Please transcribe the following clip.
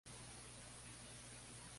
El bloqueo marítimo a Massilia continuo.